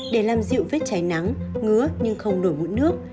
để làm dịu vết cháy nắng ngứa nhưng không nổi mũi nước